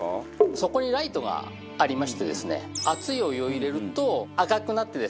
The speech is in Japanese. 底にライトがありましてですね熱いお湯を入れると赤くなってですね